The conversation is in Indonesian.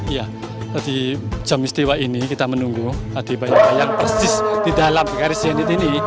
iya di jam istiwa ini kita menunggu ada bayang bayang persis di dalam garis jenit ini